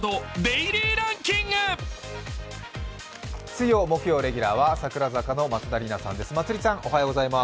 水曜・木曜レギュラーは櫻坂４６の松田里奈さんです。